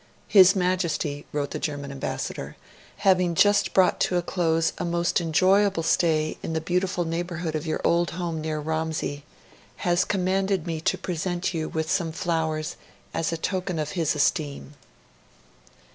'His Majesty,' wrote the German Ambassador, 'having just brought to a close a most enjoyable stay in the beautiful neighbourhood of your old home near Romsey, has commanded me to present you with some flowers as a token of his esteem.'